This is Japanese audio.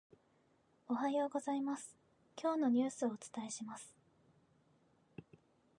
おはようございます、今日のニュースをお伝えします。